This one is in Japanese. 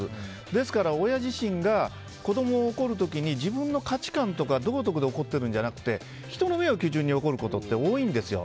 ですから親自身が子供を怒る時に自分の価値観とか道徳で怒ってるんじゃなくて人の目を基準に怒ることって多いんですよ。